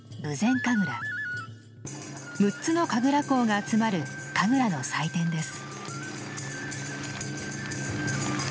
６つの神楽講が集まる神楽の祭典です。